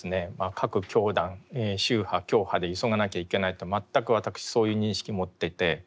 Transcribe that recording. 各教団宗派教派で急がなきゃいけないと全く私そういう認識持っていて。